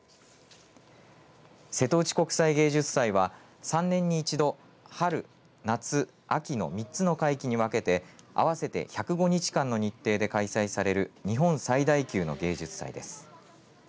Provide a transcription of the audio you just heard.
瀬戸内国際芸術祭は３年に１度、春、夏、秋の３つの会期に合わせて分けて合わせて１０５日間の日程で開催される日本最大級の芸術祭です。